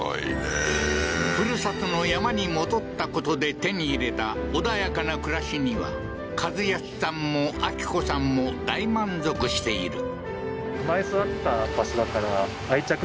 ふるさとの山に戻ったことで手に入れた穏やかな暮らしには、一康さんも秋子さんも大満足している。